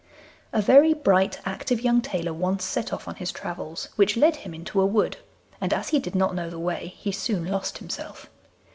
A very bright active young tailor once set off on his travels, which led him into a wood, and as he did not know the way he soon lost himself.